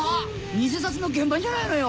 偽札の原版じゃないのよ！